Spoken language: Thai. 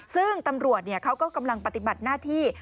ซึ่งตำรวจเขาก็กำลังปฏิบัติหน้าที่